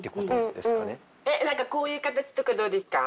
何かこういう形とかどうですか？